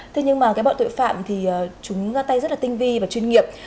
thế nhưng mà bọn tội phạm thì chúng tay rất là tinh vi và chuyên nghiệp